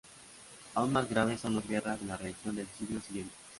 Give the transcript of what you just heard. Aún más graves son las guerras de religión del siglo siguiente.